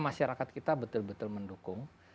masyarakat kita betul betul mendukung